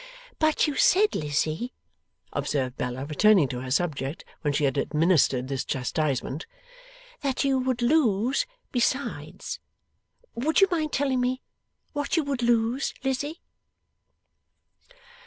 'But you said, Lizzie,' observed Bella, returning to her subject when she had administered this chastisement, 'that you would lose, besides. Would you mind telling me what you would lose, Lizzie?